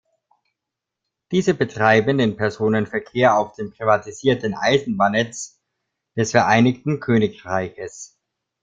Diese betreiben den Personenverkehr auf dem privatisierten Eisenbahnnetz des Vereinigten Königreiches.